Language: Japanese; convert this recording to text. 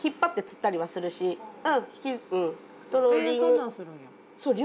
へえそんなんするんや。